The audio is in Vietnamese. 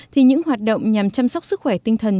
thì những hoạt động nhằm chăm sóc sức khỏe tinh thần